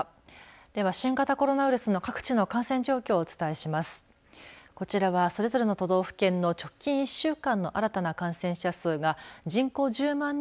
では、新型コロナウイルスの各地の感染状況をお伝えします。